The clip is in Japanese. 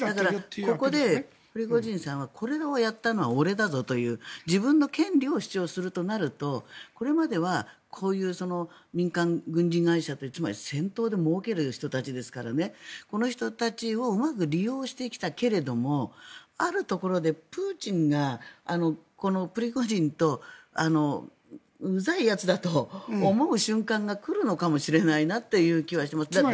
そこでプリゴジンさんは自分のほうが強いと自分の権利を主張するとなるとこれまでは民間軍事会社つまり戦闘でもうける人たちですからこの人たちをうまく利用してきたけれどあるところでプーチンがプリゴジンとうざいやつだと思う瞬間が来るのかもしれないなという気はします。